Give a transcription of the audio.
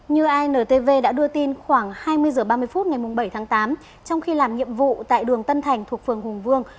như intv đã đưa tin khoảng hai mươi h ba mươi phút ngày bảy tháng tám trong khi làm nhiệm vụ tại đường tân thành thuộc phường hùng vương